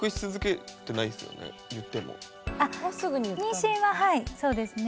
妊娠ははいそうですね。